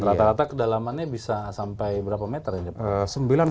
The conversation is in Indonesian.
rata rata kedalamannya bisa sampai berapa meter ini pak